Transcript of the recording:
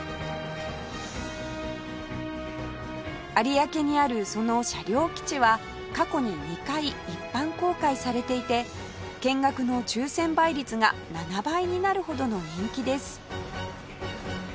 有明にあるその車両基地は過去に２回一般公開されていて見学の抽選倍率が７倍になるほどの人気です